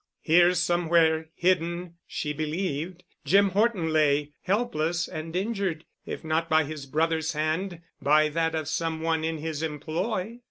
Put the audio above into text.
Here somewhere, hidden, she believed, Jim Horton lay, helpless and injured, if not by his brother's hand by that of some one in his employ.